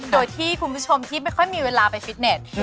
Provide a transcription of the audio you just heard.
โดยที่คุณผู้ชมที่ไม่ค่อยมีเวลาไปฟิตเน็ต